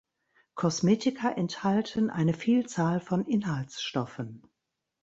Kosmetika enthalten eine Vielzahl von Inhaltsstoffen.